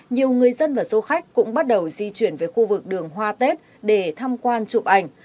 nhiều người dân và du khách cũng bắt đầu di chuyển về khu vực đường hoa tết để tham quan chụp ảnh